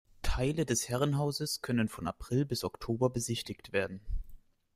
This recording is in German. Teile des Herrenhauses können von April bis Oktober besichtigt werden.